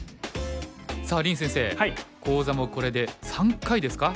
さあ林先生講座もこれで３回ですか。